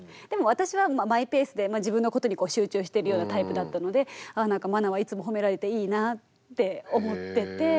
でも私はマイペースで自分のことに集中してるようなタイプだったのでなんか茉奈はいつもほめられていいなって思ってて。